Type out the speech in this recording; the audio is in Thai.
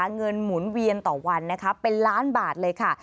เงินหมุนเวียนต่อวันเป็นล้านบาทเลยค่ะ